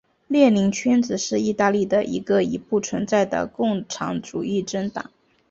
列宁圈子是意大利的一个已不存在的共产主义政党。